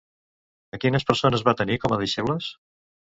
A quines persones va tenir com a deixebles?